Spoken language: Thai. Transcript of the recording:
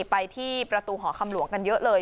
ไปที่ประตูหอคำหลวงกันเยอะเลย